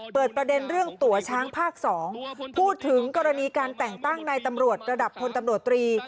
เปิดประเด็นเรื่องตัวช้างภาค๒พูดถึงกรณีการแต่งตั้งนายตำรวจระดับพลตำรวจตรี